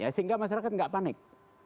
sehingga masyarakat tidak panik